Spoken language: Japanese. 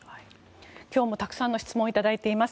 今日もたくさんの質問を頂いています。